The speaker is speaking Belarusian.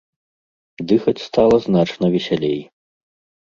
Дыхаць стала значна весялей.